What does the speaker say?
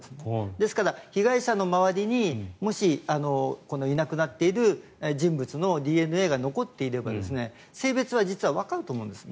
ですから、被害者の周りにもしいなくなっている人物のＤＮＡが残っていれば性別はわかると思うんです。